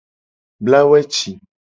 Bla weci.